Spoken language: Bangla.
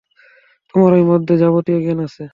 তোমারই মধ্যে যাবতীয় জ্ঞান আছে।